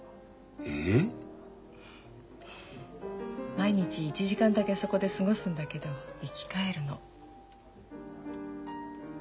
毎日１時間だけそこで過ごすんだけど生き返るの。